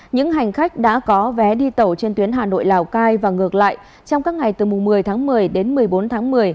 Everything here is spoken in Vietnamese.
những hành khách đã có vé đi tàu trên tuyến hà nội lào cai và ngược lại trong các ngày từ mùng một mươi tháng một mươi đến một mươi bốn tháng một mươi